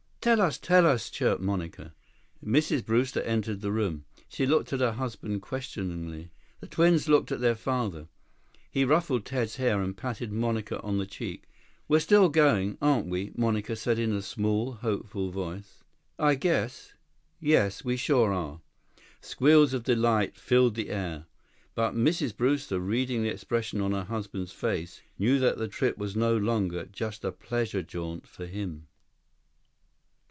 "Tell us, tell us!" chirped Monica. Mrs. Brewster had entered the room. She looked at her husband questioningly. The twins looked at their father. He ruffled Ted's hair and patted Monica on the cheek. "We're still going, aren't we?" Monica said in a small, hopeful voice. 17 "I guess.... Yes, we sure are." Squeals of delight filled the air. But Mrs. Brewster, reading the expression on her husband's face, knew that the trip was no longer just a pleasure jaunt for him.